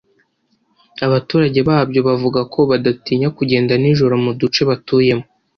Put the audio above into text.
abaturage babyo bavuga ko badatinya kugenda nijoro mu duce batuyemo